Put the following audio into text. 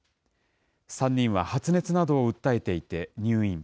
３人は発熱などを訴えていて、入院。